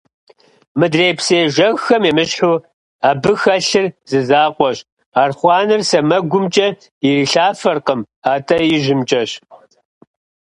Мыдрей псы ежэххэм емыщхьу абы хэлъыр зы закъуэщ – архъуанэр сэмэгумкӏэ ирилъафэркъым, атӏэ ижьымкӏэщ!